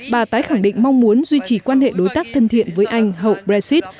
bà tái khẳng định mong muốn duy trì quan hệ đối tác thân thiện với anh hậu brexit